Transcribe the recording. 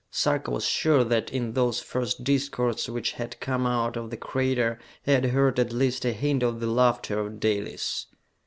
Sarka was sure that, in those first discords which had come out of the crater, he had heard at least a hint of the laughter of Dalis.